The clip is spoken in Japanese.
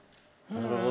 なるほど。